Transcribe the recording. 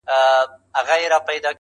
ولولئ نر او ښځي ټول د کتابونو کیسې،